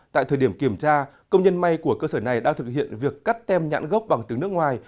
tại thời điểm kiểm tra công nhân may của cơ sở này đang thực hiện việc cắt tem nhãn gốc bằng tiếng nước ngoài